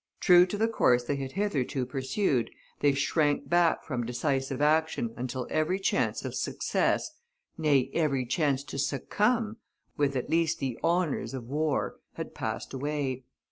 True to the course they had hitherto pursued, they shrank back from decisive action until every chance of success, nay, every chance to succumb, with at least the honors of war, had passed away.